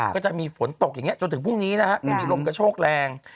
ก็จะมีฝนตกอย่างนี้จนถึงพรุ่งนี้นะฮะจะมีลมกระโชกแรง